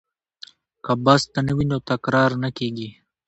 که بست نه وي نو تقرر نه کیږي.